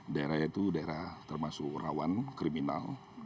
daerah itu daerah termasuk rawan kriminal